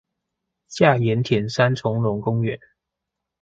下鹽田三欉榕公園